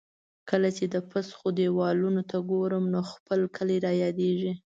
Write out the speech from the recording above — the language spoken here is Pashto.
کله چې د پسخو دېوالونو ته ګورم، نو خپل کلی را یادېږي.